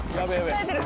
耐えてる。